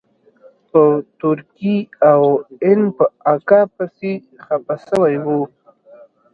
په تورکي او ان په اکا پسې خپه سوى وم.